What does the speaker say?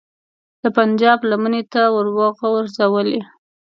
د پنجاب لمنې ته وروغورځولې.